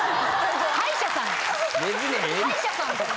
歯医者さんか！